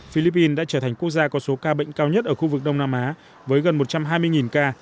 philippines đã trở thành quốc gia có số ca bệnh cao nhất ở khu vực đông nam á với gần một trăm hai mươi ca